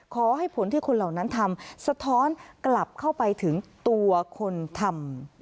ขอให้ผลที่คนเหล่านั้นทำสะท้อนกลับเข้าไปถึงตัวคนทำ